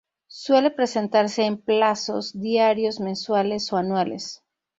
Suele presentarse en plazos diarios, mensuales o anuales.